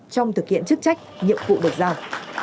trong thực hiện chức trách nhiệm vụ bậc giao